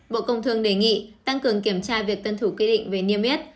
bộ công thương đề nghị tăng cường kiểm tra việc tân thủ ký định về niêm yết